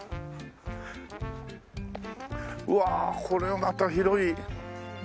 うわこれまた広い。